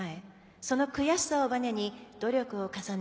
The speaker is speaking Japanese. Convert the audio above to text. その悔しさをばねに努力を重ね